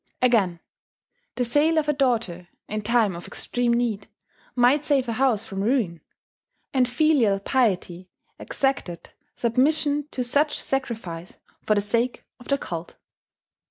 Again, the sale of a daughter, in time of extreme need, might save a house from ruin; and filial piety exacted submission to such sacrifice for the sake of the cult.